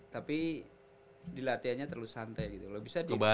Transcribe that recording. tapi di latihannya terlalu santai gitu loh